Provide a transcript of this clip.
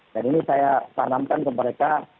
dan ini saya tanamkan ke mereka